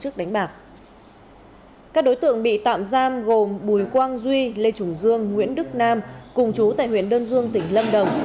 các đối tượng bị tạm giam gồm bùi quang duy lê trung dương nguyễn đức nam cùng chú tại huyện đơn dương tỉnh lâm đồng